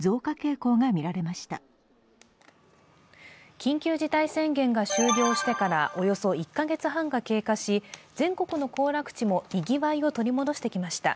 緊急事態宣言が終了してからおよそ１カ月半が経過し全国の行楽地もにぎわいを取り戻してきました。